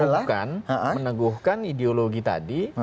yang meneguhkan ideologi tadi